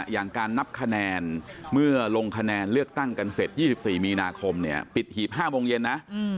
อย่างการนับคะแนนเมื่อลงคะแนนเลือกตั้งกันเสร็จ๒๔มีนาคมปิดหีบ๕โมงเย็นนะ